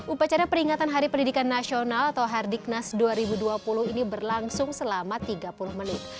upacara peringatan hari pendidikan nasional atau hardiknas dua ribu dua puluh ini berlangsung selama tiga puluh menit